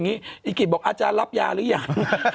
อีกกีฆบอกอาจจะรับยาหรือยัง